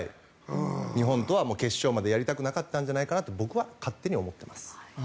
日本とは決勝までやりたくなかったんじゃないかと僕は勝手に思ってます。